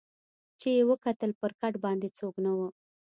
چي یې وکتل پر کټ باندي څوک نه وو